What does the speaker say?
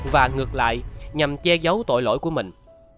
và ngược lại nhằm che giấu tội lỗi của mình